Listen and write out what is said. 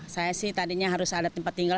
saya sih tadinya harus ada tempat tinggal